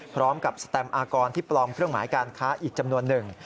สแตมอากรที่ปลอมเครื่องหมายการค้าอีกจำนวนหนึ่ง